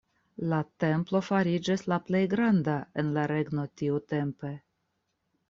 La templo fariĝis la plej granda en la regno tiutempe.